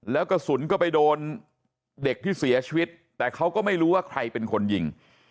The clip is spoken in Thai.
แล้วกระสุนก็ไปโดนเด็กที่เสียชีวิตแต่เขาก็ไม่รู้ว่าใครเป็นคนยิง